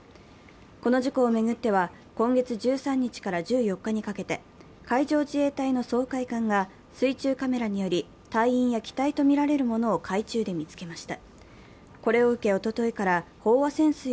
この事故を巡っては、今月１３日から１４日にかけて海上自衛隊の掃海艦が水中カメラにより隊員や機体とみられるものを海中で見つけました。